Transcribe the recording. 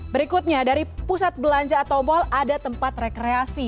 berikutnya dari pusat belanja atau mal ada tempat rekreasi